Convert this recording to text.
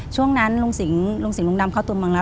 ช่วงนั้นลุงสิงหลุงดำเข้าตัวเมืองแล้ว